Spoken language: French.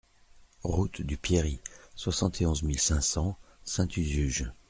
Route du Pierry, soixante et onze mille cinq cents Saint-Usuge